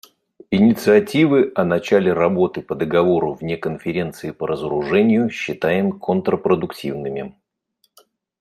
Инициативы о начале работы по договору вне Конференции по разоружению считаем контрпродуктивными.